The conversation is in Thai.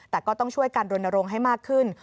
แต่ก็ต้องช่วยการรณรงค์ให้มากขึ้น